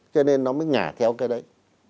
cho nên nó mới ngả theo cái đấy